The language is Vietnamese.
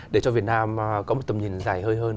để cho việt nam có một tầm nhìn dài hơi hơn